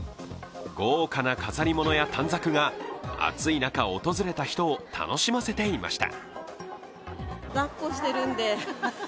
豪華な飾りものや短冊が暑い中訪れた人を楽しませていました。